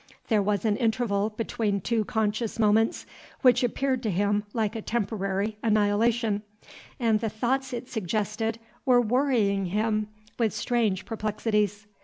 There was an interval between two conscious moments which appeared to him like a temporary annihilation, and the thoughts it suggested were worrying him with strange perplexities.